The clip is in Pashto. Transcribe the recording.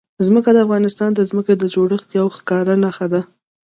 ځمکه د افغانستان د ځمکې د جوړښت یوه ښکاره نښه ده.